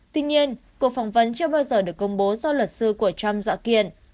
tuy nhiên cuộc phỏng vấn chưa bao giờ được công bố do luật sư của trump dọa kiện